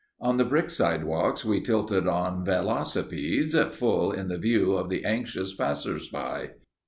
On the brick sidewalks we tilted on velocipedes, full in the view of the anxious passers by.